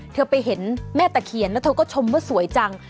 เธอไปเห็นแม่ตะเคียนแล้วเธอก็ชมว่าสวยจัง